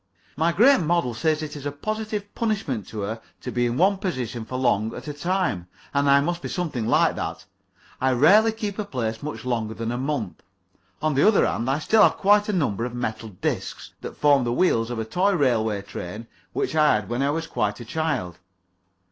My great model says it is a positive punishment to her to be in one position for long at a time, and I must be something like that I rarely keep a place much longer than a month. On the other hand, I still have quite a number of metal discs that formed the wheels of a toy railway train which I had when I was quite a child.